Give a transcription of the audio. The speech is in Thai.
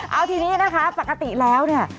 เอาทีนี้นะคะปกติแล้วเนี่ย